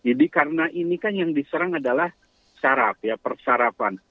jadi karena ini kan yang diserang adalah syarap ya persarapan